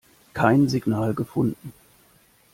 Kein Signal gefunden.